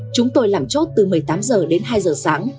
chúng tôi làm chốt từ một mươi tám h đến hai h sáng